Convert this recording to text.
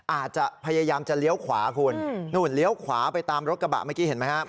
อาจจะพยายามจะเลี้ยวขวาคุณนู่นเลี้ยวขวาไปตามรถกระบะเมื่อกี้เห็นไหมครับ